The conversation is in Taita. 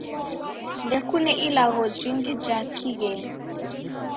Ndekune ilagho jingi ja kighenyi.